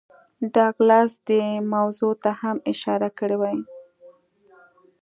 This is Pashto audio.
ډاګلاس دې موضوع ته هم اشارې کړې وې